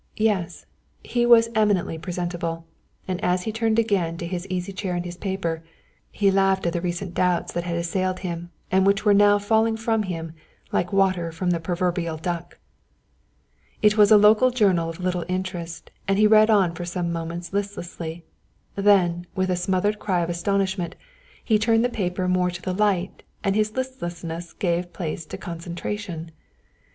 Yes, he was eminently presentable, and as he turned again to his easy chair and his paper, he laughed at the recent doubts that had assailed him and which now were falling from him like water from the proverbial duck. It was a local journal of little interest and he read on for some moments listlessly, then with a smothered cry of astonishment he turned the paper more to the light and his listlessness gave place to concentration.